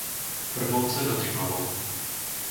Vrbovce nad Rimavou